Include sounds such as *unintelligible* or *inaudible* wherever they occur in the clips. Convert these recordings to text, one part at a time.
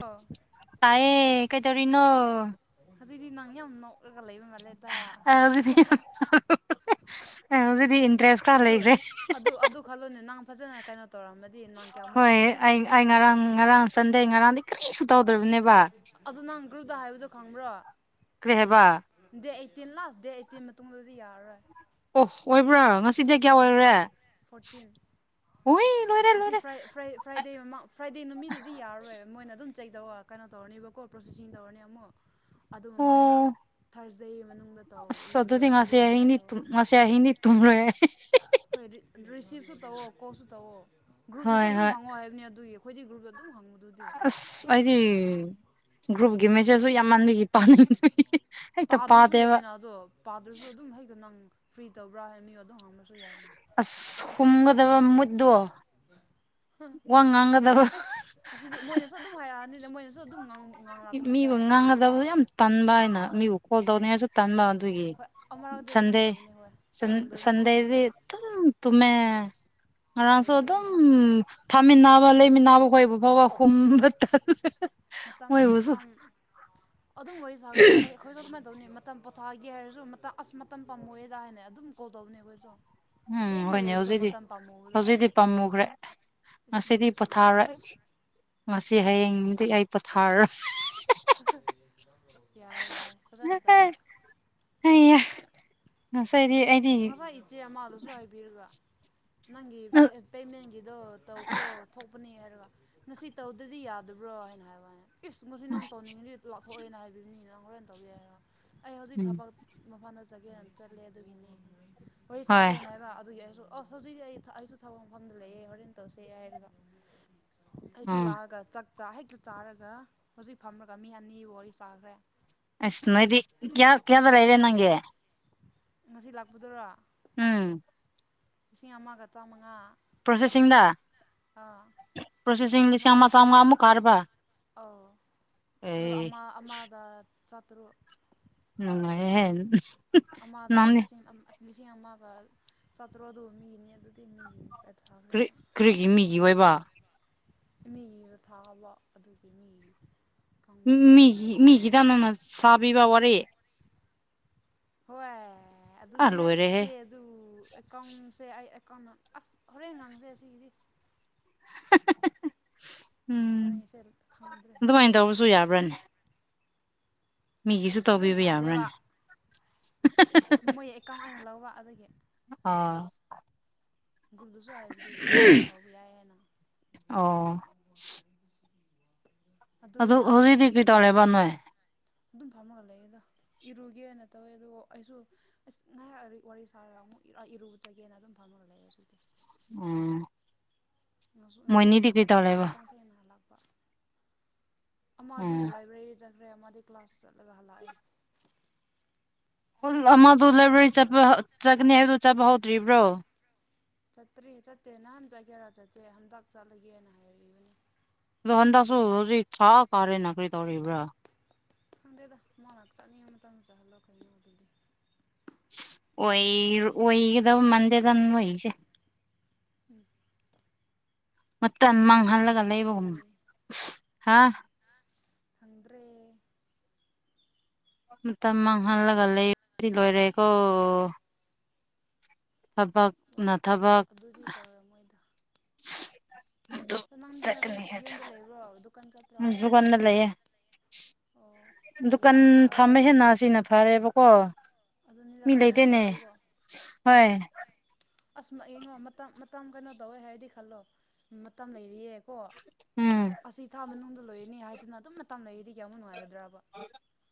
ꯑꯣ ꯇꯥꯏꯦ ꯀꯩꯇꯥꯧꯔꯤ ꯏꯅꯣ ꯑꯗꯨꯏꯗꯤ ꯅꯪ ꯌꯥꯝ ꯅꯣꯛꯂꯒ ꯂꯩꯕ ꯃꯥꯜꯂꯦꯗ ꯑꯦꯍꯖꯤꯗꯤ ꯑꯦꯍꯖꯤꯗꯤ ꯑꯗꯨ ꯑꯗꯨ ꯑꯗꯨ ꯈꯜꯂꯨꯅꯦ ꯅꯪ ꯐꯖꯅ ꯀꯩꯅꯣ ꯇꯧꯔꯝꯃꯗꯤ ꯅꯪ ꯀꯌꯥꯃꯨꯛ ꯍꯣꯏ ꯆꯪꯒꯦꯔꯥ ꯑꯩ ꯑꯩ ꯉꯔꯥꯡ ꯉꯔꯥꯡ ꯁꯟꯗꯦ ꯉꯔꯥꯡꯗꯤ ꯀꯔꯤꯝꯁꯨ ꯇꯧꯗ꯭ꯔꯕꯅꯦꯕ ꯑꯗꯨ ꯅꯪ ꯒ꯭ꯔꯨꯞꯇ ꯍꯥꯏꯕꯗꯣ ꯈꯪꯕ꯭ꯔꯣ ꯀꯒꯦꯍꯦꯕ date eighteen last date eighteen ꯃꯇꯨꯡꯗꯗꯤ ꯌꯥꯔꯔꯣꯏ ꯑꯣ ꯑꯣꯏꯕ꯭ꯔꯥ ꯉꯁꯤꯗꯤ ꯀꯌꯥ ꯍꯣꯏ ꯑꯣꯏꯔꯨꯔꯦ ꯐꯣꯔꯇꯤꯟ ꯍꯣꯏ ꯂꯣꯏꯔꯦ ꯂꯣꯏꯔꯦ ꯐ꯭ꯔ ꯐ꯭ꯔꯥꯏꯗꯦ ꯃꯃꯥꯡ ꯐ꯭ꯔꯥꯏꯗꯦ ꯅꯨꯃꯤꯠꯇꯗꯨꯗꯤ ꯌꯥꯔꯣꯏꯕ ꯃꯣꯏꯅ ꯑꯗꯨꯝ ꯆꯩꯗꯧ ꯋꯥꯣ ꯀꯩꯅꯣ ꯇꯧꯔꯅꯤꯕꯀꯣ ꯄ꯭ꯔꯣꯁꯦꯁꯤꯡ ꯇꯧꯔꯅꯤ ꯑꯃꯨꯛ ꯑꯗꯨ ꯑꯣ ꯃꯃꯥꯡꯗ ꯊꯥꯔꯁꯗꯦ ꯃꯅꯨꯡꯗ ꯇꯧ ꯑꯁ ꯑꯗꯨꯗꯤ ꯇꯧꯕ ꯂꯣꯏꯅꯤꯅ ꯇꯧ ꯍ ꯍꯣꯏ ꯔꯤꯁꯤꯞꯁꯨ ꯇꯧꯑꯣ ꯀꯣꯜꯁꯨ ꯇꯧꯑꯣ ꯒ꯭ꯔꯨꯞꯇꯁꯨ ꯍꯣꯏ ꯑꯗꯨꯝ ꯍꯣꯏ ꯍꯪꯉꯑꯣ ꯍꯥꯏꯕꯅꯤ ꯑꯗꯨꯒꯤ ꯑꯩꯈꯣꯏ ꯒꯨꯞꯗ ꯑꯗꯨꯝꯪꯉꯕꯗꯨꯗꯤ ꯑꯁ ꯑꯩꯗꯤ ꯒ꯭ꯔꯨꯞꯀꯤ ꯃꯦꯆꯦꯖꯁꯨ ꯌꯥꯝ ꯃꯥꯟꯕꯤꯈꯤ ꯄꯥꯗ꯭ꯔꯁꯨ ꯌꯥꯏꯅ ꯑꯗꯣ ꯄꯥꯗ꯭ꯔꯁꯨ ꯑꯗꯨꯝ ꯍꯦꯛꯇ ꯅꯪ ꯐ꯭ꯔꯤ ꯇꯧꯕ꯭ꯔꯥ ꯍꯥꯏ ꯃꯤ ꯑꯗꯨꯝ ꯍꯥꯡꯅꯁꯨ ꯌꯥꯏꯅ ꯑꯁ ꯍꯨꯝꯒꯗꯕ ꯃꯨꯠꯇꯣ ꯋꯥ ꯉꯥꯡꯒꯗꯕ ꯑꯦꯁ ꯑꯁꯤꯗꯤ ꯃꯣꯏꯅꯁꯨ ꯑꯗꯨꯝ ꯍꯥꯏꯔꯛꯑꯅꯤꯅ ꯃꯣꯏꯅꯁꯨ ꯑꯗꯨꯝ ꯉꯥꯡ ꯃꯤꯕꯨ ꯉꯥꯡꯒꯗꯕ ꯌꯥꯝ ꯇꯟꯕ ꯍꯥꯏꯅ ꯃꯤꯕꯨ ꯈꯣꯜꯗꯧꯅꯤꯁꯨ ꯇꯝꯕ ꯑꯗꯨꯒꯤ ꯍꯣꯏ ꯑꯃꯔꯛꯇꯤ ꯑꯗꯨꯃꯥꯏꯅ ꯇꯧꯕꯅꯤ ꯍꯣꯏ ꯁꯟꯗꯦꯟ ꯈꯪꯗꯕ ꯁꯟꯗꯦꯗꯤ ꯃꯤꯒꯨꯝꯕꯗꯤꯀꯣ ꯇꯨ ꯉꯔꯥꯡꯁꯨ ꯂꯩꯔꯦ ꯑꯗꯨꯝ ꯅꯪꯁꯨ ꯐꯝꯃꯤꯟꯅꯕ ꯃꯇꯝ ꯂꯩꯃꯤꯟꯅꯕ ꯀꯣꯏꯕ ꯐꯥꯎꯕ ꯍꯨꯝꯕ ꯃꯇꯝ ꯃꯣꯏꯕꯨꯁꯨ ꯃꯇꯝ ꯑꯗꯨꯝ ꯋꯥꯔꯤ ꯁꯥꯒꯗꯤ ꯑꯩꯈꯣꯏꯁꯨ ꯑꯗꯨꯃꯥꯏꯅ ꯇꯧꯅꯤ ꯃꯇꯝ ꯄꯣꯊꯥꯑꯒꯦ ꯍꯥꯏꯔꯁꯨ ꯑꯁ ꯃꯇꯝ ꯄꯥꯝꯃꯣꯏꯦꯗ ꯍꯥꯏꯅ ꯑꯗꯨꯝ ꯀꯣꯜ ꯇꯧꯅꯤ ꯑꯩꯈꯣꯏꯁꯨ ꯂꯦꯝꯅ ꯂꯩꯕꯗꯣ ꯃꯇꯝ ꯄꯥꯝꯃꯧꯕꯗꯣ ꯍꯧꯖꯤꯗꯤ ꯄꯥꯝꯃꯨꯈ꯭ꯔꯦ ꯉꯁꯤꯗꯤ ꯅꯪꯁꯨ ꯄꯣꯊꯥꯔꯦ ꯂꯩꯔꯦ ꯃꯁꯤ ꯍꯌꯦꯡꯗꯤ ꯑꯩ ꯄꯣꯊꯥꯔꯣꯏ ꯌꯥꯏ ꯌꯥꯏ ꯐꯖꯅ ꯇꯧꯑꯣ ꯑꯩꯌꯥ ꯉꯁꯤꯗꯤ ꯑꯩ ꯉꯁꯥꯏ ꯏꯆꯦ ꯑꯃꯗꯨꯁꯨ ꯍꯥꯏꯕꯤꯔꯒ ꯅꯪꯒꯤ ꯄꯦꯃꯦꯟꯒꯤꯗꯣ ꯇꯧꯈ꯭ꯔꯣ ꯊꯣꯛꯄꯅꯦ ꯍꯥꯏꯔꯒ ꯉꯁꯤ ꯇꯧꯗ꯭ꯔꯗꯤ ꯌꯥꯗꯕ꯭ꯔꯣ ꯍꯥꯏꯅ ꯍꯥꯏꯕꯅ ꯏꯁ ꯉꯁꯤ ꯅꯪ ꯇꯧꯅꯤꯡꯉꯗꯤ ꯂꯥꯞꯊꯣꯛꯑꯦꯅ ꯍꯥꯏꯕꯤꯕꯅꯤꯅ ꯍꯣꯔ ꯑꯣꯏꯅ ꯇꯧꯕꯤ ꯌꯥꯏꯔꯣ ꯑꯩ ꯍꯧꯖꯤꯛ ꯎꯝ ꯊꯕꯛ ꯃꯐꯥꯟꯗ ꯆꯠꯒꯦꯅ ꯆꯠꯂꯦ ꯑꯗꯨꯒꯤꯅꯤ ꯋꯥꯔꯤ ꯍꯣꯏ ꯁꯥꯖꯩꯑꯅ ꯍꯥꯏꯕ ꯑꯗꯨꯒꯤ ꯑꯣꯁ ꯍꯧꯖꯤꯛ ꯑꯩ ꯑꯩꯁꯨ ꯊꯥꯕꯛ ꯃꯐꯝꯗ ꯂꯩꯌꯦꯦ ꯍꯣꯔꯦꯟ ꯇꯧꯁꯦ ꯍꯥꯏꯔꯒ ꯑꯩꯁꯨ ꯎꯝ ꯂꯥꯛꯑꯒ ꯆꯥꯛ ꯆꯥ ꯍꯦꯛꯇ ꯆꯥꯔꯒ ꯍꯧꯖꯤꯛ ꯐꯝꯃꯒ ꯃꯤ ꯑꯅꯤ ꯋꯥꯔꯤ ꯆꯥꯈ꯭ꯔꯦ ꯑꯁ ꯅꯣꯗꯤ ꯀꯌꯥ ꯀꯌꯥꯗ꯭ꯔ ꯏꯦ ꯅꯪꯦ ꯉꯁꯤ ꯂꯥꯛꯄꯗꯔꯥ ꯎꯝ ꯂꯤꯁꯤꯡ ꯑꯃꯒ ꯆꯥꯝꯃꯉꯥ ꯄ꯭ꯔꯣꯁꯦꯁꯤꯡꯗ ꯄ꯭ꯔꯣꯁꯦꯁꯤꯡꯗ ꯑꯃ ꯂꯤꯁꯤꯡ ꯑꯃꯥ ꯑꯃ ꯆꯝꯉꯥ ꯑꯃꯨꯛ ꯀꯥꯔꯕ ꯑꯧ ꯑꯗꯨꯒ ꯑꯩ ꯑꯃ ꯑꯃꯗ ꯆꯥꯇꯔꯨꯛ *unintelligible* ꯑꯃꯗ ꯅꯪꯅꯦ ꯂꯤꯁꯤꯡ ꯑꯁ ꯂꯤꯁꯤꯡ ꯑꯃꯒ ꯆꯥꯇ꯭ꯔꯨꯛ ꯑꯗꯨ ꯃꯤꯅꯤ ꯑꯗꯨꯗꯤ ꯃꯤ ꯀꯔꯤꯒꯤ ꯃꯤꯒꯤ ꯑꯣꯏꯕ ꯃꯤ ꯊꯥꯕ ꯑꯗꯨꯗꯤ ꯃꯤ ꯃꯤꯒꯤ ꯃꯤꯒꯤꯗꯥ ꯅꯪꯅ ꯁꯥꯕꯤꯕ ꯋꯥꯔꯤ ꯍꯣꯏ ꯑꯥ ꯑꯗꯨꯗꯤ ꯂꯣꯏꯔꯦꯍꯦ ꯅꯠꯇꯦ ꯑꯗꯨ ꯑꯦꯀꯥꯎꯟꯁꯦ ꯑꯩ ꯑꯦꯀꯥꯎꯟ ꯑꯁ ꯍꯣꯔꯦꯟ ꯉꯥꯡꯖꯁꯦ ꯁꯤꯒꯤꯗꯤ ꯎꯝ ꯏꯕꯥꯅꯤꯁꯦ ꯈꯪꯗ꯭ꯔꯦ ꯑꯗꯨꯃꯥꯏꯅ ꯇꯧꯕꯁꯨ ꯌꯥꯕ꯭ꯔꯅꯦ ꯍꯣꯔꯦꯟ ꯇꯧꯕꯤꯕ ꯁꯥꯥꯁꯦꯕ ꯌꯥꯕ꯭ꯔꯥꯅꯦ ꯃꯣꯏ ꯑꯩꯀꯥꯎꯟ ꯑꯩꯅ ꯂꯧꯕ ꯑꯗꯨꯒꯤ ꯑꯥ ꯒ꯭ꯔꯨꯞꯗꯁꯨ ꯍꯥꯏꯕꯗꯨꯗꯤ ꯑꯦꯀꯥꯎ ꯂꯧꯕ ꯌꯥꯏ ꯍꯥꯏꯅ ꯑꯣ *unintelligible* ꯑꯗꯨ ꯍꯧꯖꯤꯛꯇꯤ ꯀꯩ ꯇꯧꯔꯦꯕ ꯅꯣꯏ ꯑꯗꯨꯝ ꯐꯝꯃꯒ ꯂꯩꯑꯦꯗ ꯏꯔꯨꯒꯦꯅ ꯇꯧꯋꯦ ꯑꯗꯨꯒ ꯑꯩꯁꯨ ꯑꯁ ꯉꯥꯏꯍꯥꯛ ꯋꯥꯔꯤ ꯁꯥꯔꯒ ꯑꯃꯨꯛ ꯏꯔꯨꯕꯖꯒꯦꯅ ꯑꯗꯨꯝ ꯐꯝꯅꯔ ꯂꯩꯑꯦ ꯑꯗꯨꯗꯤ ꯎꯝ *unintelligible* ꯉꯁꯤ ꯃꯣꯏꯅꯤꯗꯤ ꯑꯩꯁꯨ ꯀꯔꯤ ꯊꯕꯛ ꯇꯧꯔꯦꯕ ꯈꯤꯇꯪ ꯊꯦꯟꯅ ꯍꯜꯂꯥꯛꯄ ꯑꯃꯗꯤ ꯎꯝ ꯂꯥꯏꯕ꯭ꯔꯦꯔꯤ ꯆꯠꯈ꯭ꯔꯦ ꯑꯃꯗꯤ ꯀ꯭ꯂꯥꯁ ꯆꯠꯂꯒ ꯍꯜꯂꯛꯑꯦ *unintelligible* ꯑꯃꯗꯣ ꯂꯥꯏꯕ꯭ꯔꯦꯔꯤ ꯆꯠꯄ ꯆꯠꯀꯅꯤ ꯍꯥꯏꯕꯗꯣ ꯆꯠꯄ ꯍꯧꯗ꯭ꯔꯤꯕ꯭ꯔꯣ ꯆꯠꯇ꯭ꯔꯤ ꯆꯠꯇꯦ ꯅꯍꯥꯟ ꯆꯠꯀꯦꯔꯥ ꯆꯠꯇꯦ ꯍꯟꯗꯛ ꯆꯠꯂꯒꯦꯅ ꯍꯥꯏꯔꯤꯕꯅꯤ ꯑꯗꯨ ꯍꯟꯗꯛꯁꯨ ꯍꯧꯖꯤꯛ ꯊꯥ ꯀꯥꯔꯦ ꯅ ꯀꯔꯤ ꯇꯧꯔꯤꯔꯤꯕ꯭ꯔꯥ ꯈꯪꯗꯦꯗ ꯃꯥꯥꯅ ꯆꯠꯅꯤꯡ ꯃꯇꯝꯗ ꯆꯠꯍꯜꯂꯣ ꯀꯩꯅꯣ ꯑꯗꯨꯗꯤ ꯑꯣꯏ ꯑꯣꯏꯒꯗ ꯃꯥꯟꯗꯦꯗ ꯑꯣꯏꯒꯤꯁꯦ ꯎꯝ ꯃꯇꯝ ꯃꯥꯡꯍꯜꯂꯒ ꯈꯪꯗꯦ ꯂꯩꯕꯒꯨꯝꯅ ꯍꯥ *unintelligible* ꯈꯪꯗ꯭ꯔꯦ ꯃꯇꯝ ꯃꯥꯡꯍꯜꯂꯒ ꯂꯩꯗꯤ ꯂꯣꯏꯔꯦꯀꯣ ꯊꯕꯛꯅ ꯊꯕꯛ ꯑꯗꯨꯗꯤ ꯇꯧꯔꯝꯃꯣꯏꯗ *unintelligible* ꯅꯪꯗꯤ ꯉꯁꯤ ꯆꯠꯀꯅꯤ ꯌꯨꯝꯗ ꯂꯩꯕ꯭ꯔꯣ ꯗꯨꯀꯥꯟ ꯆꯠꯇ꯭ꯔꯣ *unintelligible* ꯂꯩꯌꯦ ꯑꯣ ꯃꯤ ꯗꯨꯀꯥꯟ ꯌꯥꯝ ꯐꯥꯝꯕ ꯇꯥꯗꯕ ꯍꯦꯟꯅ ꯁꯤꯅ ꯐꯔꯦꯕꯀꯣ ꯑꯗꯨꯅꯤꯗ ꯃꯤ ꯐꯖꯅ ꯂꯩꯇꯦꯅꯦ ꯇꯧꯔꯗꯤꯀꯣ ꯍꯣꯏ ꯑꯧ ꯑꯁ ꯌꯦꯡꯉꯣ ꯃꯇꯝ ꯃꯇꯝ ꯀꯩꯅꯣ ꯇꯧꯋꯦ ꯍꯥꯏꯔꯗꯤ ꯈꯜꯂꯣ ꯃꯇꯝ ꯂꯩꯔꯤꯌꯦꯀꯣ ꯎꯝ ꯑꯁꯤ ꯊꯥ ꯃꯅꯨꯡꯗ ꯂꯣꯏꯔꯅꯤ ꯍꯥꯏꯗꯨꯅ ꯑꯗꯨꯝ ꯃꯇꯝ ꯂꯩꯔꯤꯗꯤ ꯀꯌꯥꯝꯃꯨꯛ ꯅꯨꯡꯉꯥꯏꯒꯗ꯭ꯔꯕ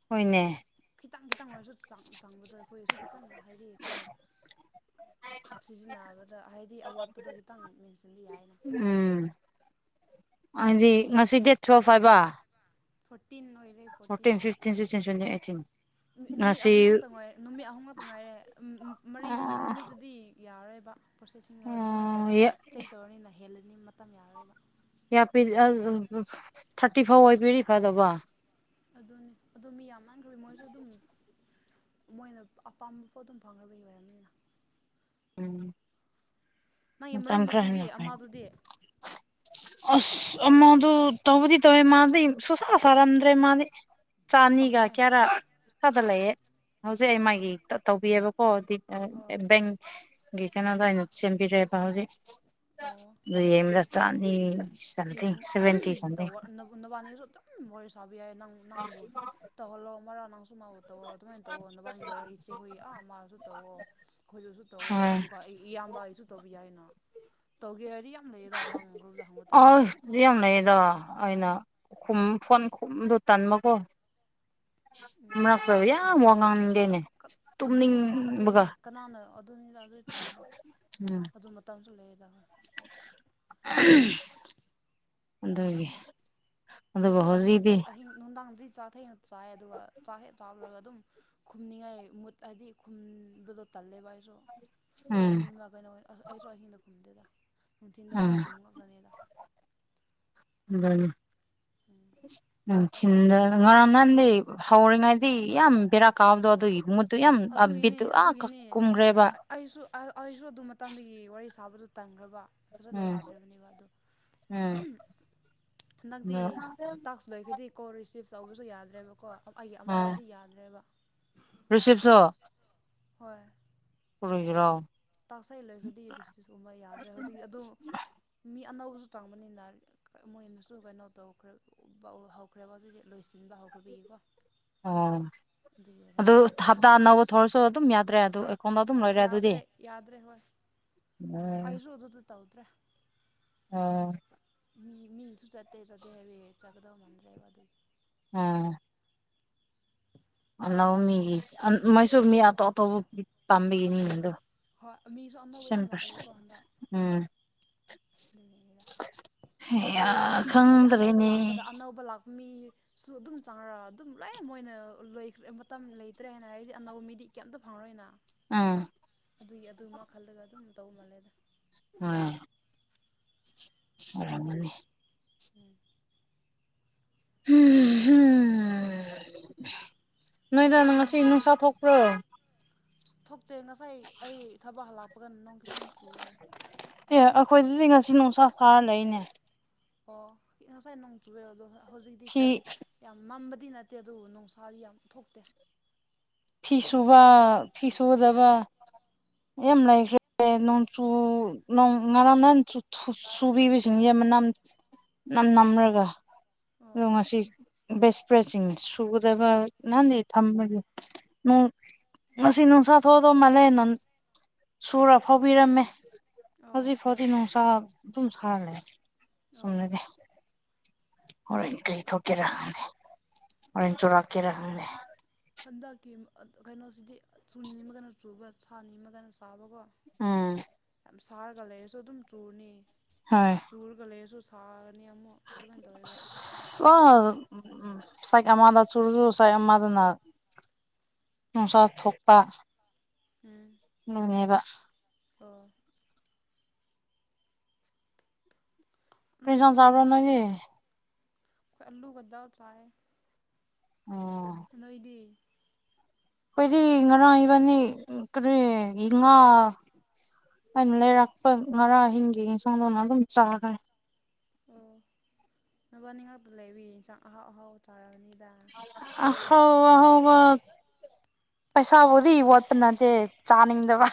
ꯍꯣꯏꯅꯦ ꯈꯤꯇꯪ ꯈꯤꯇꯪ ꯑꯣꯏꯔꯁꯨ ꯆꯪ ꯆꯪꯕꯗ ꯑꯈꯣꯏꯁꯨ ꯈꯤꯇꯪ ꯍꯥꯏꯗꯤ ꯑꯈꯣꯏꯅ ꯁꯤꯖꯤꯟꯅꯕꯗ ꯍꯥꯏꯗꯤ ꯑꯋꯥꯠꯄꯗꯣ ꯈꯤꯇꯪ ꯃꯦꯟꯁꯤꯟꯕꯤ ꯌꯥꯏꯅ ꯎꯝ ꯍꯥꯏꯗꯤ ꯉꯁꯤ ꯗꯦꯠ ꯇꯨꯌꯦꯞ ꯍꯥꯏꯕ ꯐꯣꯔꯇꯤꯟ ꯑꯣꯏꯔꯦ ꯐꯣꯔꯇꯤꯟ ꯐꯤꯞꯇꯤꯟ *unintelligible* ꯅꯨꯃꯤꯠ ꯑꯍꯨꯝ ꯉꯛꯇ ꯉꯥꯏꯔꯦ ꯅꯨꯃꯤꯠ ꯑꯍꯨꯝ ꯉꯛꯇ ꯉꯥꯏꯔꯦ ꯃꯔꯤꯒꯤ ꯅꯨꯃꯤꯠꯇꯨꯗꯤ ꯌꯥꯔꯣꯏꯕ ꯄ꯭ꯔꯣꯁꯦꯁꯁꯤꯡ ꯃꯣꯏꯅ ꯆꯦꯛ ꯇꯧꯔꯅꯤꯅ ꯍꯦꯜꯂꯅꯤ ꯃꯇꯝ ꯌꯥꯔꯔꯣꯏꯕ *unintelligible* ꯊꯥꯔꯇꯤ ꯐꯥꯎ ꯑꯣꯏ ꯄꯤꯔꯤ ꯐꯗꯧꯕ ꯑꯗꯨꯅꯤ ꯑꯗꯨ ꯃꯤ ꯌꯥꯝ ꯃꯟꯈ꯭ꯔꯕꯩ ꯃꯣꯏꯁꯨ ꯑꯗꯨꯝ ꯃꯣꯏꯅ ꯑꯄꯥꯝꯕ ꯄꯣꯠꯇꯨ ꯑꯗꯨꯝ ꯐꯪꯉꯕꯒꯤ ꯑꯣꯏꯔꯝꯅꯤꯅ ꯎꯝ ꯃꯥꯒꯤ ꯃꯔꯨꯞ ꯃꯇꯝ ꯈꯔ ꯅꯨꯄꯤꯗꯤ ꯍꯦꯟꯅ ꯑꯃꯗꯨꯗꯤ ꯑꯁ ꯇꯧꯕ꯭ꯔꯥ ꯑꯃꯃꯗꯨ ꯇꯧꯕꯗꯤ ꯇꯧꯋꯦ ꯃꯥꯗꯩ ꯁꯨꯁꯥ ꯁꯥꯔꯝꯗ꯭ꯔꯦ ꯃꯥꯗꯤꯩ ꯑꯁ ꯆꯥꯅꯤꯒ ꯄꯪꯉꯦꯍꯦ ꯀꯌꯥꯔꯥ ꯏꯁꯥꯗ ꯂꯩꯌꯦ ꯍꯧꯖꯤꯛ ꯑꯩ ꯑꯥ ꯃꯥꯒꯤ ꯇꯧꯕꯤꯑꯕꯀꯣ ꯑꯥ ꯕꯦꯡ *unintelligible* ꯀꯩꯅꯣꯗ ꯑꯩꯅ ꯁꯦꯝꯕꯤꯔꯦꯕ ꯍꯧꯖꯤꯛ ꯑꯣ ꯑꯗꯨ ꯌꯦꯗ ꯆꯥꯅꯤ ꯁꯝꯊꯤꯡ ꯁꯚꯦꯟꯇꯤ ꯁꯝꯗꯤꯡ ꯅꯕꯟꯅꯤꯁꯨ ꯑꯗꯨꯝ ꯋꯥꯔꯤ ꯁꯥꯕ ꯌꯥꯏ ꯅꯪ *unintelligible* ꯇꯧ ꯑꯗꯨꯃꯥꯏꯅ ꯇꯧꯑꯣ ꯅꯕꯥꯔ ꯏꯆꯦ ꯍꯣꯏ ꯑꯥ ꯃꯥꯁꯨ ꯇꯧꯑꯣ ꯑꯩꯈꯣꯏꯗꯁꯨ ꯇꯧꯑꯣ ꯍꯣꯏ ꯑꯗꯨꯒ ꯑꯩ ꯏꯌꯥꯝꯕ ꯑꯩꯁꯨ ꯇꯧꯕ ꯌꯥꯏꯅ ꯇꯧꯒꯦ ꯍꯥꯏꯔꯗꯤ ꯌꯥꯝ ꯂꯩꯌꯦꯗ ꯅꯪ ꯒ꯭ꯔꯨꯞꯗ ꯍꯪꯒ ꯑꯁ ꯌꯥꯝ ꯂꯩꯌꯦꯗꯣ ꯑꯩꯅ ꯈꯨꯝ ꯐꯣꯟ ꯈꯨꯝꯗ ꯇꯟꯕꯀꯣ꯫ *inaudible* ꯎꯝ ꯃꯔꯛꯇ ꯌꯥꯝ ꯋꯥ ꯑꯁ ꯀ ꯉꯥꯡꯅꯤꯡꯗꯦꯅꯦ ꯀ ꯑꯗꯨꯅꯦ ꯇꯨꯝꯅꯤꯡꯕꯒ ꯑꯗꯨꯏꯅꯦ ꯀꯅꯥꯅꯣ ꯑꯗꯨꯅꯤ ꯑꯗꯨ ꯆꯨꯝꯃꯦꯗ ꯎꯝ *unintelligible* ꯂꯩꯗ *unintelligible* ꯑꯗꯨꯒ ꯑꯈꯣꯏꯁꯨ ꯍꯧꯖꯤꯛꯗꯤ ꯑꯍꯤꯡꯗꯤ ꯑꯍꯤꯡ ꯅꯨꯡꯗꯥꯡꯗꯤ ꯆꯥꯛ ꯊꯦꯡꯅ ꯆꯥꯏ ꯑꯗꯨꯒ ꯆꯥꯛ ꯍꯦꯛ ꯆꯥꯕ ꯂꫭꯏꯔꯒ ꯑꯗꯨꯝ꯫ ꯈꯨꯝꯅꯤꯡꯉꯥꯏ ꯃꯨꯠ ꯍꯥꯏꯗꯤ ꯈꯨꯝꯕꯗꯣ ꯇꯜꯂꯦꯕ ꯑꯩꯁꯨ꯫ ꯇꯨꯝ ꯎꯝ ꯅꯤꯡꯕ ꯀꯩꯅꯣ ꯑꯩꯁꯨ ꯑꯍꯤꯡꯗ ꯈꯨꯝꯗꯦꯗ ꯅꯨꯡꯊꯤꯟꯗ ꯎꯝ ꯑꯗꯨꯝ ꯈꯨꯝ ꯉꯛꯀꯅꯤꯗ꯫ *unintelligible* *unintelligible* ꯅꯨꯡꯊꯤꯟꯗ ꯉꯔꯥꯡ ꯅꯍꯥꯟꯗꯤ ꯍꯧꯔꯤꯉꯩꯗꯤ ꯌꯥꯝ ꯕꯦꯔꯥꯛ ꯀꯥꯎꯗꯣ ꯑꯗꯨ ꯃꯨꯠꯗꯨ ꯌꯦꯝ ꯑ ꯕꯤꯠ ꯑꯗꯨꯒꯤꯅꯤ ꯑ ꯀꯛ ꯑꯗꯨꯒꯤꯅꯤ ꯀꯨꯨꯝꯒ꯭ꯔꯦꯕ ꯑꯩꯁꯨ ꯑꯩꯁꯨ ꯑꯗꯨ ꯃꯇꯝꯗꯒꯤ ꯋꯥꯔꯤ ꯁꯥꯕꯗꯨꯣ ꯇꯟꯈ꯭ꯔꯕ꯫ ꯐꯖꯅ ꯎꯝ ꯁꯥꯗ꯭ꯔꯕꯅꯦꯕ ꯑꯗꯣ ꯎꯝ ꯍꯟꯗꯛꯇꯤ ꯇꯥꯛꯁ ꯂꯣꯏꯈꯔꯗꯤ ꯀꯣꯜ ꯔꯤꯁꯤꯞ ꯇꯧꯕꯁꯨ ꯌꯥꯗ꯭ꯔꯦꯕꯀꯣ꯫ ꯑꯩꯒꯤ ꯑꯃꯗꯨꯗꯤ ꯌꯥꯗ꯭ꯔꯦꯕ꯫ ꯔꯤꯁꯤꯞꯖꫭ꯫ ꯍꯣꯏ ꯀꯔꯤꯒꯤꯔ꯫ ꯇꯥꯛꯁꯦ ꯂꯣꯏꯕꯗꯤ ꯔꯤꯁꯤꯞ ꯀꯨꯝꯕ ꯌꯥꯗ꯭ꯔꯦ ꯍꯧꯖꯤꯛ ꯑꯗꯨ ꯃꯤ ꯑꯅꯧꯕꯁꯨ ꯆꯪꯕꯅꯤꯅ ꯃꯣꯏꯅꯁꯨ ꯀꯩꯅꯣ ꯇꯧꯈ꯭ꯔꯦ꯫ *unintelligible* ꯍꯧꯈ꯭ꯔꯦꯕ ꯍꯧꯖꯤꯛ ꯂꯣꯏꯁꯤꯟꯕ ꯍꯧ ꯑꯥ ꯑꯗꯨꯒꯤ ꯑꯗꯨ ꯑꯣꯏꯔꯝꯅꯤꯗ ꯍꯞꯇꯥ ꯅꯧꯕ ꯊꯧꯔꯁꯨ ꯑꯗꯨꯝ ꯌꯥꯗ꯭ꯔꯦ ꯑꯗꯨ ꯑꯦꯀꯥꯎꯟꯗ ꯑꯗꯨꯝ ꯂꫭꯏꯔꯦ ꯑꯗꯨꯗꯤ꯫ ꯑꯗ꯭ꯔꯦ ꯍꯣꯏ꯫ ꯎꯝ꯫ ꯑꯩꯁꯨ ꯑꯗꯨꯗ ꯇꯧꯗ꯭ꯔꯦ꯫ ꯑꯣ꯫ ꯃꯤ ꯃꯤꯁꯨ ꯆꯠꯇꯦ ꯆꯥꯠꯇꯦ ꯍꯥꯏꯕꯦꯛ ꯆꯠꯀꯗꯧ ꯃꯗ꯭ꯔꯦꯕ ꯑꯗꯨ꯫ ꯎꯝ꯫ ꯫ ꯂꯧꯅꯤ ꯃꯣꯏꯁꯨ ꯃꯤ ꯑꯇꫭꯞ꯫ *unintelligible* ꯄꯥꯝꯕꯒꯅꯤ ꯑꯗꫭ ꯍꯣꯏ ꯃꯤꯁꯨ ꯑꯅꯧꯕ ꯁꯦꯝ ꯌꯥꯝ ꯂꯥꯛꯑꯦꯕꯀꯣ ꯄꯔꯁꯟ ꯍꯟꯗꯛ ꯎꯝ ꯍꯩꯌꯥ *unintelligible* ꯍꯥꯏꯗꯤ ꯑꯅꯧꯕ ꯈꯪꯗ꯭ꯔꯦꯅꯦ ꯂꯥꯛꯄꯗ ꯑꯅꯧꯕ ꯂꯥꯛꯄ ꯃꯤ꯫ ꯁꯨ ꯑꯗꯨꯝ ꯆꯥꯔ ꯑꯗꯨꯝ ꯂꯣꯏ ꯃꯣꯏꯅ ꯂꯣꯏꯈ꯭ꯔꯦ ꯃꯇꯝ ꯂꯩꯇ꯭ꯔꯦ ꯍꯥꯏꯅ ꯍꯥꯏꯗꯤ ꯑꯅꯧꯕ ꯃꯤꯗꯤ ꯀꯩꯝꯇ ꯐꯪꯔꯣꯏꯅ꯫ ꯎꯝ ꯑꯗꯨꯏ ꯑꯗꯨꯃ ꯃꯈꯜꯂꯒ ꯑꯗꯨꯝ ꯇꯧ ꯃꯥꯜꯂꯦꯗ꯫ *unintelligible* ꯑꫭꯏꯔꯝꯃꯅꯤ *unintelligible* ꯎꯝ ꯅꯣꯏꯗ ꯉꯁꯤ ꯅꯨꯡꯁꯥ ꯊꯣꯛꯄ꯭ꯔꯣ꯫ ꯑꯁ ꯊꯣꯛꯇꯦ ꯉꯁꯥꯏ ꯑꯩ ꯊꯕꯛ ꯍꯜꯂꯛꯄꯒꯅ ꯅꯣꯡ ꯈꯤꯇꯪ ꯆꯨꯑꯦ꯫ ꯑꯦ ꯑꯈꯣꯏꯗꯗꯤ ꯉꯁꯤ ꯅꯨꯡꯁꯥ ꯁꯥꯔ ꯂꯩꯅꯦ꯫ ꯑꯣ ꯉꯁꯥꯏ ꯅꯣꯡ ꯆꯨꯏꯑꯦ ꯑꯗꯣ ꯍꯧꯖꯤꯛꯇꯤ꯫ ꯐꯤ ꯌꯥꯝ ꯃꯝꯕꯗꯤ ꯅꯠꯇꯦ ꯑꯗꯨꯕꯨ ꯅꯨꯡꯁꯥꯗꯤ ꯌꯥꯝ ꯊꯣꯛꯇꯦ꯫ ꯐꯤ ꯁꯨꯕ ꯐꯤ ꯁꯨꯒꯗꯕ꯫ ꯌꯥꯝ ꯂꯩꯈ꯭ꯔꯦ ꯅꯣꯡ ꯆꯨ ꯅꯣꯡ ꯉꯔ ꯅꯅꯥ ꯆ ꯊꯨ꯫ ꯁꯨꯕꯤꯕꯁꯤꯡꯁꯦ ꯃꯅꯝ ꯅꯝ ꯅꯝꯔꯒ꯫ ꯑꯣ ꯉꯁꯤ ꯕꯦꯁ ꯐ꯭ꯔꯦꯁꯤꯡ ꯁꯨꯒꯗꯕ ꯅꯍꯥꯟꯗꯒꯤ ꯊꯝꯕꯅꯤ꯫ ꯅꫭꯡ ꯉꯁꯤ ꯅꯨꯡꯁꯥ ꯊꯣꯛꯑꯗꯧ ꯃꯥꯜꯂꯦ ꯅ ꯁꯨꯔ ꯐꯥꯎꯕꯤꯔꯝꯃꯦ꯫ ꯑꯣ ꯍꯧꯖꯤꯛ ꯐꯥꯎꯗꯤ ꯅꯨꯡꯁꯥ ꯑꯗꯨꯝ ꯁꯥꯂꯦ ꯑꯣ ꯁꫭꯝꯗꯗꯤ꯫ ꯍꯣꯔꯦꯟ ꯀꯔꯤ ꯊꯣꯛꯀꯦꯔ ꯈꯪꯗꯦ ꯍꯣꯔꯦꯟ ꯆꯨꯔꯥꯛꯀꯦꯔ ꯈꯪꯗꯦ꯫ ꯍꯟꯗꯛꯀꯤ ꯀꯩꯅꯣꯁꯤꯗꯤ ꯆꯨ ꯅꯤꯅꯤꯃꯒꯩꯅ ꯆꯨꯕ ꯁꯥ ꯅꯤꯃꯒꯅ ꯆꯥꯕꯀꯣ꯫ ꯑꯥ꯫ ꯌꯥꯝ ꯁꯥꯔꯒ ꯂꯩꯔꯁꯨ ꯑꯗꯨꯝ ꯆꯨꯔꯅꯤ ꯍꯣꯏ ꯆꯨꯔꯒ ꯂꯩꯔꯁꯨ ꯁꯥꯔꯅꯤ ꯑꯃꯨꯛ ꯑꯗꯨꯃꯥꯏꯅ ꯇꯧꯋꯦꯕ ꯁꯥꯏ ꯑꯃꯗ ꯆꯨꯔꯁꯨ ꯁꯥꯏ ꯑꯃꯗꯅ ꯅꯨꯡꯁꯥ ꯊꯣꯛꯄ ꯎꯝ ꯎꯝꯅꯦꯕ꯫ ꯑꯣ꯫ ꯀꯔꯤ ꯃꯩ ꯏꯟꯁꯥꯡ ꯅꫭꯝ ꯆꯥꯕ꯭ꯔꯣ ꯅꯣꯏꯗꯤ ꯑꯂꯨꯒꯗꯥ ꯆꯥꯏꯌ‌ꯦ꯫ ꯑꯣ꯫ ꯅꯣꯏꯗꯤ꯫ ꯑꯈꯣꯏꯗꯤ ꯉꯔꯥꯡ ꯏꯕꯥꯅꯤ ꯀꯔꯤ ꯉꯥ꯫ ꯑꯩꯅ ꯂꯩꯔꯛꯄ ꯉꯔꯥ ꯑꯍꯤꯡꯒꯤ ꯁꯣꯗꯧꯅ ꯑꯗꯨꯝ ꯆꯥꯈ꯭ꯔꯦ ꯑꯣ ꯅꯕꯥꯅꯤ ꯉꯥꯛꯇ ꯂꯩꯕꯤꯌꯦ ꯏꯟꯁꯥꯡ ꯑꯍꯥꯎ ꯑꯍꯥꯎ ꯆꯥꯔꯔꯕꯅꯤꯗ *inaudible* ꯅꯠꯇꯦ ꯆꯥꯅꯤꯡꯗꯕ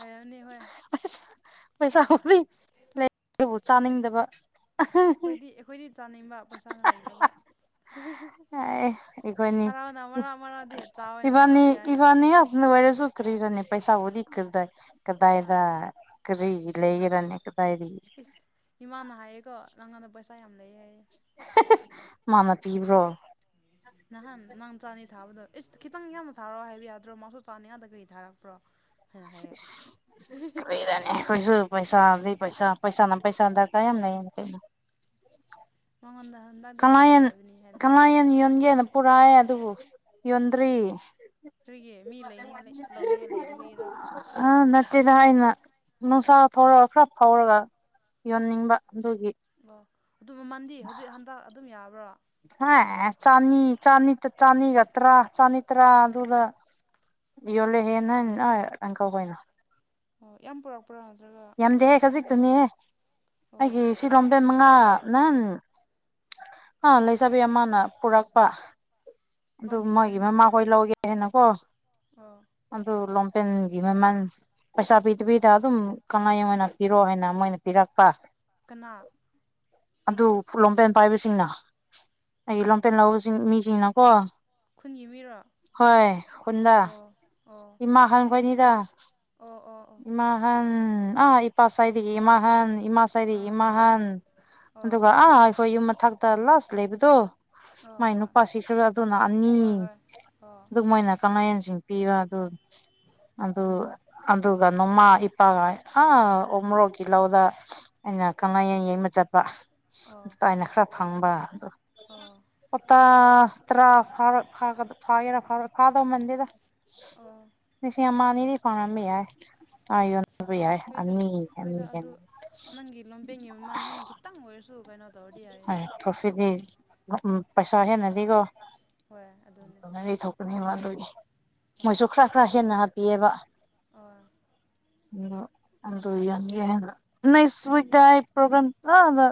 ꯍꯥꯏꯔꯅꯤ ꯍꯣꯏ ꯄꯩꯁꯥꯕꯨꯗꯤ ꯂꯩ ꯑꯗꯨꯕꯨ ꯆꯥꯅꯤꯡꯗꯕ ꯑꯩꯈꯣꯏꯗꯤ ꯑꯩꯈꯣꯏꯗꯤ ꯆꯥꯅꯤꯡꯕ ꯄꯩꯁꯥꯅ ꯂꯩꯇꯕ ꯑꯦ ꯏꯈꯣꯏꯅꯤ ꯊꯥꯔꯛꯑꯣꯅ ꯏ ꯃꯔꯛ ꯃꯔꯛꯗꯤ ꯆꯥꯎ ꯑꯣꯏꯅ ꯏꯕꯥꯅꯤ ꯊꯥꯔꯛꯄ ꯌꯥꯏꯅ ꯏꯕꯥꯅꯤꯅ ꯋꯥꯥꯏꯔꯁꯨ ꯀꯔꯤꯔꯅꯤ ꯄꯩꯁꯥ ꯑꯣꯗꯤ ꯀꯗꯥ ꯀꯗꯥꯏꯗ ꯀꯔꯤ ꯏꯁ ꯏꯃꯥꯅ ꯍꯥꯏꯌꯦꯀꯣ ꯅꯪꯉꯥꯟꯗ ꯄꯩꯁꯥ ꯌꯥꯝ ꯂꯩ ꯍꯥꯏꯌꯦꯦ *unintelligible* ꯃꯥꯃ ꯄꯤꯕ꯭ꯔꯣ ꯅꯍꯥꯟ ꯅꯪ ꯆꯥꯅꯤ ꯊꯥꯕꯗꯣ ꯏꯁ ꯈꯤꯇꯪ ꯌꯥꯝꯅ ꯊꯥꯔꯛꯑꯣ ꯍꯥꯏꯕ ꯌꯥꯗ꯭ꯔꯣ ꯃꯥꯁꯨ ꯆꯥꯅꯤ ꯉꯥꯛꯇ ꯀꯔꯤ ꯊꯥꯔꯛꯄ꯭ꯔꯣ ꯍꯥꯏꯅ ꯍꯥꯏꯌꯦ ꯀꯔꯤꯔꯅꯦ *inaudible* ꯄꯩꯁꯥ ꯑꯗꯤ ꯄꯩꯁꯥ ꯄꯩꯁꯥꯅ ꯄꯩꯁꯥ ꯗꯔꯀꯥ ꯌꯥꯝ ꯂꯩꯌꯦ ꯀꯩꯅꯣ ꯃꯉꯣꯟꯗ *inaudible* ꯀꯪꯂꯥꯌꯦꯟ ꯂꯩꯕꯅꯤ ꯍꯥꯏꯅ ꯍꯥꯏꯔꯅꯤ ꯀꯪꯂꯥꯌꯦꯟ ꯌꯣꯟꯒꯦꯅ ꯄꯨꯔꯑ ꯑꯗꯨꯕꯨ ꯌꯣꯟꯗ꯭ꯔꯤ ꯑꯩꯈꯣꯏꯒꯤ ꯃꯤ ꯂꯩꯅꯤꯡꯉꯥꯏ ꯂꯧꯅꯤꯡꯉꯥꯏ ꯂꯩꯗꯕꯩꯔꯥ ꯑ ꯅꯠꯇꯦꯗ ꯍꯥꯏꯅ ꯅꯨꯡꯁꯥ ꯊꯧꯔꯒ ꯈꯔ ꯐꯥꯎꯔꯒ ꯌꯣꯟꯅꯤꯡꯕ ꯑꯗꯨꯒꯤ ꯑꯣ ꯑꯗꯨ ꯃꯟꯗꯤ ꯍꯧꯖꯤꯛ ꯍꯟꯗꯛ ꯑꯗꯨꯝ ꯌꯥꯕ꯭ꯔꯣ ꯍꯥ ꯆꯅꯤ ꯆꯅꯤ ꯇ ꯆꯥꯟꯅꯤꯒꯠꯇ꯭ꯔ ꯆꯅꯤ ꯇ꯭ꯔ ꯑꯗꯨꯒ ꯌꯣꯜꯂꯦ ꯍꯦꯟꯅ ꯑꯪꯀꯈꯣꯏꯅꯣ ꯑꯣ ꯌꯥꯝ ꯄꯨꯔꯛꯄ *unintelligible* ꯌꯥꯝꯗꯦꯍꯦ ꯈꯖꯤꯛꯇꯅꯤꯍꯦ ꯑꯣ ꯑꯩꯒꯤ ꯁꯤꯂꯝꯕꯦꯟ ꯃꯉꯥ ꯅꯍꯟ ꯑ ꯂꯩꯁꯥꯕꯤ ꯑꯃꯅ ꯄꯨꯔꯛꯄ ꯑꯗꯨ ꯂꯣꯝ ꯃꯥꯒꯤ ꯎꯝ ꯃꯃꯥꯈꯣꯏ ꯂꯧꯒꯦ ꯍꯥꯏꯅꯀꯣ ꯑꯣ ꯑꯗꯨ ꯂꯣꯝꯄꯦꯟꯒꯤ ꯃꯦꯃꯥꯟ ꯄꯩꯁꯥ ꯄꯤꯗꯕꯤꯗ ꯑꯗꯨꯝ ꯀꯪꯂꯥꯌꯦꯟ ꯑꯣꯏꯅ ꯄꯤꯔꯣ ꯍꯥꯏꯅ ꯃꯣꯏꯅ ꯄꯤꯔꯛꯄ ꯀꯅꯥ ꯑꯗꯨ ꯐꯨꯠꯂꯣꯝꯄꯦꯟ ꯄꯥꯏꯕꯁꯤꯡꯅ ꯑꯩ ꯂꯝꯐꯦꯜ ꯂꯧꯕꯁꯤꯡ ꯃꯤꯁꯤꯡꯅꯀꯣ ꯈꯨꯟꯒꯤ ꯃꯤꯔꯣ ꯑꯣ ꯑꯣ ꯃꯥ ꯍꯡꯕꯅꯤꯗ ꯑꯣ ꯑꯣ ꯑꯣ ꯏꯃꯥꯍꯟ ꯑꯥ ꯏꯄꯥ ꯁꯥꯏꯗꯒꯤ ꯏꯃꯥꯍꯥꯟ ꯏꯃꯥ ꯉꯔꯤ ꯑꯥ ꯏꯃꯥꯍꯥꯟ ꯑꯣ ꯑꯗꯨꯒ ꯑꯥ ꯑꯩꯈꯣꯏ ꯌꯨꯝ ꯃꯊꯛꯇ ꯂꯥꯁ ꯂꯩꯕꯗꯣ ꯑꯣ ꯃꯥꯏ ꯅꯨꯄꯥꯁꯤ ꯈꯔ ꯑꯗꯨꯅ ꯑꯅꯤ ꯍꯣꯏ ꯍꯣꯏ ꯍꯣꯏ ꯑꯣ ꯑꯗꯨꯃꯥꯏꯅ ꯀꯃꯦꯟꯁꯤꯡ ꯄꯤꯕ ꯑꯗꯨ ꯑꯗꯨ ꯑꯗꯨꯒ ꯅꯣꯡꯃꯥ ꯏꯄꯥꯒ ꯑꯥ ꯎꯃꯣꯔꯣꯛꯀꯤ ꯂꯧꯗ ꯑꯩꯅ ꯀꯪꯂꯥꯌꯦꯟ ꯌꯦꯡꯕ ꯆꯠꯄ ꯑꯣ ꯑꯗꯨ ꯑꯥꯏꯅ ꯈꯔ ꯐꯪꯕ ꯑ ꯑꯣ ꯑꯣ ꯇꯥ ꯇꯔꯥ ꯐꯥꯔꯣꯏ ꯐꯥꯒ ꯐꯥꯒꯦꯔ ꯐꯥꯗꯧ ꯃꯟꯗꯦꯗ ꯑꯣ ꯂꯤꯁꯤꯡ ꯑꯃ ꯑꯅꯤꯗꯤ ꯐꯡꯉꯝꯕ ꯌꯥꯏ ꯌꯥꯏ ꯍꯣꯏꯗ ꯑꯅꯤ ꯑꯅꯤ ꯍꯣꯏꯗ ꯑꯗꯨ ꯍꯦꯟꯕ ꯅꯪꯒꯤ ꯂꯣꯟꯕꯦꯟꯒꯤ ꯃꯃꯜ ꯍꯦꯟꯅ ꯈꯤꯇꯪ ꯑꯣꯏꯔꯁꯨ ꯀꯩꯅꯣ ꯇꯧꯔꯗꯤ ꯌꯥꯔꯦꯅ ꯄ꯭ꯔꯣꯐꯤꯠꯅꯤ ꯄꯩꯁꯥ ꯍꯦꯟꯅꯗꯤꯀꯣ ꯍꯣꯏ ꯑꯗꯨꯅꯦ *inaudible* ꯑꯗꯨꯒꯤ ꯍꯣꯏ ꯃꯣꯏꯁꯨ ꯈꯔ ꯈꯔ ꯍꯦꯟꯅ ꯍꯥꯞꯄꯤꯌꯦꯕ ꯑꯣ ꯑꯗꯨ ꯌꯥꯝꯗ꯭ꯔꯦ ꯍꯥꯏꯅ ꯅꯦꯛꯁ ꯋꯤꯛꯇ ꯑꯩ ꯄꯣ꯭ꯔꯝꯒꯥꯝ ꯐꯅ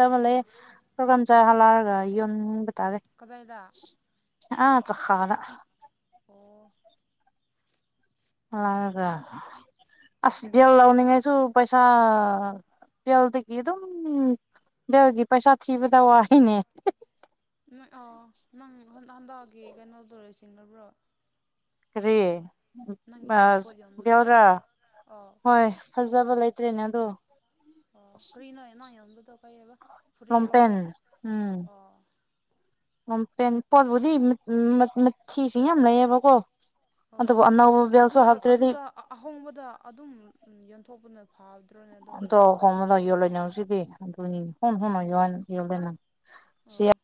ꯇꯕ ꯂꯩꯌꯦ *inaudible* ꯆ ꯍꯂꯛꯑꯒ ꯌꯨꯝ ꯀꯗꯥꯏꯗ ꯆꯈꯥꯗ ꯈꯨꯟ ꯑꯣ ꯂꯥꯛꯑꯒ ꯑꯁ ꯗꯦꯜ ꯂꯧꯅꯤꯡꯉꯁꯨ ꯄꯩꯁꯥ ꯕꯦꯜꯗꯒꯤ ꯑꯗꯨꯝ ꯕꯦꯜꯒꯤ ꯄꯩꯁꯥ ꯊꯤꯕꯗ ꯋꯥꯏꯅꯦ ꯅꯪ ꯑ ꯅꯪ ꯍꯟꯗꯒꯤ ꯀꯩꯅꯣꯗꯣ ꯂꯣꯏꯁꯤꯟꯈ꯭ꯔꯕꯣ ꯀꯔꯤ ꯅꯪꯒꯤ ꯄꯣꯠ ꯌꯣꯟꯕꯗꯣ ꯑꯣ *inaudible* ꯍꯣꯏ ꯐꯖꯕ ꯂꯩꯇ꯭ꯔꯦꯅꯦ ꯑꯗꯣ ꯑꯣ ꯀꯔꯤꯅꯣ ꯅꯪ ꯌꯣꯟꯕꯗꯣ ꯀꯩꯕ ꯐꯨꯔꯤꯠ ꯂꯣꯡꯄꯦꯟ ꯂꯣꯄꯦꯠ ꯑꯣ ꯦꯟꯕꯗꯤ ꯊꯤꯁꯤꯡ ꯌꯥꯝ ꯂꯩꯌꯦꯕꯀꯣ ꯑꯣ ꯑꯗꯨꯕꯨ ꯑꯅꯧꯕ ꯑꯗꯨ ꯕꯦꯜꯁꯨ ꯍꯥꯞꯇ꯭ꯔꯗꯤ ꯑꯗꯨꯗ ꯑꯍꯣꯡꯕꯗ ꯑꯗꯨꯝ ꯌꯣꯟꯊꯣꯛꯄꯅ ꯐꯗ꯭ꯔꯣꯅꯦ ꯑꯗꯣ ꯈꯣꯡꯅꯗ ꯌꯣꯜꯂꯣꯏ ꯅꯁꯤꯗꯤ ꯑꯗꯨꯅꯤ ꯍꯨꯟ ꯑꯣ ꯍꯨꯟꯅ ꯌ ꯌꯣꯂꯣꯏꯅꯪ ꯑꯣ ꯁꯤ